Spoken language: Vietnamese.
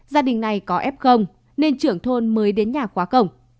gia đình này có f nên trưởng thôn mới đến nhà quá cổng